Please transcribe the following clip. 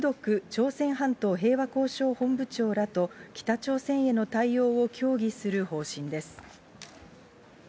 朝鮮半島平和交渉本部長らと北朝鮮への対応を協議する方針です。